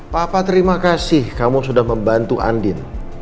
papa terima kasih kamu sudah membantu andin